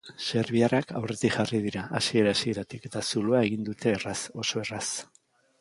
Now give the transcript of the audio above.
Serbiarrak aurretik jarri dira hasiera-hasieratik eta zuloa egin dute erraz, oso erraz.